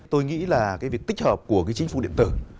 tôi nghĩ là việc tích hợp của chính phủ điện tử